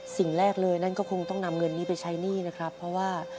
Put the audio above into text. สิ่งแรกเลยนั่นก็คงต้องนำเงินนี้ไปใช้หนี้นะครับเพราะว่า